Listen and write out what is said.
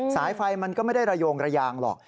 สายไฟมันก็ไม่ได้ระโยงระยางหรอก